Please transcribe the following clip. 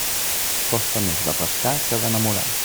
Costa més de pescar que d'enamorar.